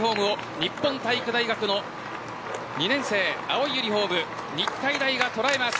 日本体育大学の２年生、青いユニホーム日体大がとらえます。